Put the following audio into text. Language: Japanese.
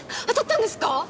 当たったんですか